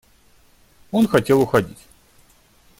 Он хотел уходить.